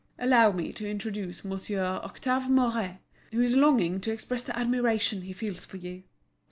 "Allow me to introduce Monsieur Octave Mouret, who is longing to express the admiration he feels for you."